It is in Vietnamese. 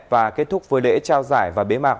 và kết thúc với lễ trao giải và bế mạc